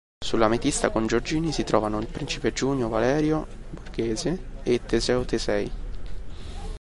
Sull'Ametista con Giorgini si trovavano il principe Junio Valerio Borghese e Teseo Tesei.